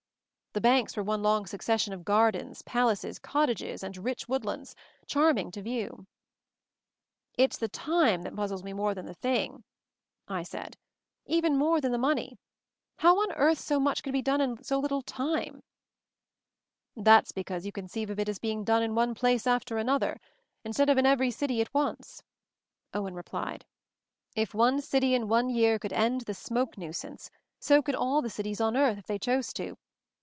The banks were one long succession of gardens, palaces, cottages and rich wood lands, charming to view. "It's the time that puzzles me more than thing," I said, "even more than the MOVING THE MOUNTAIN 169 money. How on earth so much could be done in so little time I" "That's because you conceive of it as be ing done in one place after another, instead of in every place at once," Owen replied. "If one city, in one year, could end the smoke at once/' Owen replied. "If one city, in one year, could end the smoke nuisance, so could all the cities on earth, if they chose to.